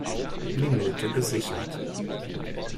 Minute gesichert.